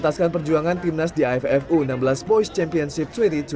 ataskan perjuangan timnas di aff u enam belas boys championship dua ribu dua puluh